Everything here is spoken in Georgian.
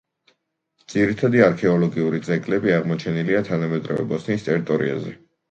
ძირითადი არქეოლოგიური ძეგლები აღმოჩენილია თანამედროვე ბოსნიის ტერიტორიაზე.